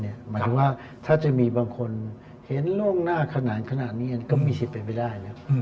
หมายถึงว่าถ้าจะมีบางคนเห็นล่วงหน้าขนาดนี้ก็มีสิทธิ์เป็นไปได้ครับ